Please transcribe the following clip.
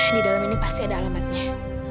di dalam ini pasti ada alamatnya